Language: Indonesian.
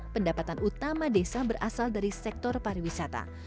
pendapatan utama desa berasal dari sektor pariwisata